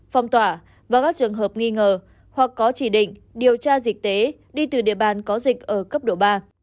phong tỏa và các trường hợp nghi ngờ hoặc có chỉ định điều tra dịch tế đi từ địa bàn có dịch ở cấp độ ba